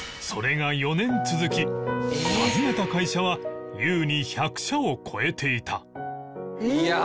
それが４年続き訪ねた会社は優に１００社を超えていた